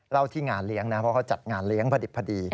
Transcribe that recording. เล่าที่งานเลี้ยงเพราะเขาจัดงานเลี้ยงพอดี